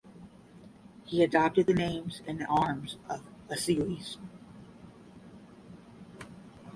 He adopted the name and arms of Lascelles.